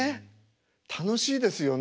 楽しいですよね。